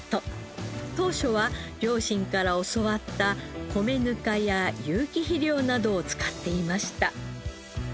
当初は両親から教わった米ぬかや有機肥料などを使っていました。